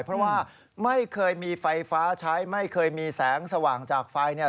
เพราะว่าไม่เคยมีไฟฟ้าใช้ไม่เคยมีแสงสว่างจากไฟเนี่ย